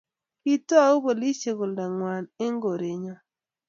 kiitou polisiek oldong'wany eng' korenyo